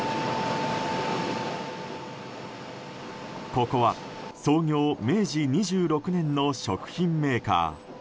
ここは創業明治２６年の食品メーカー。